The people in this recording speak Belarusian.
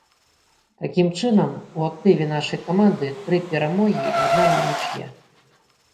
Такім чынам, у актыве нашай каманды тры перамогі і адна нічыя.